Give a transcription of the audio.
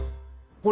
これ。